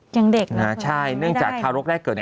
ยังเด็กเลยค่ะยังไม่ได้ใช่เนื่องจากทารกแรกเกิด